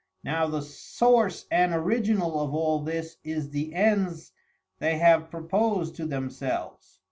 Now the Soarce and Original of all this is the ends they have propos'd to themselves.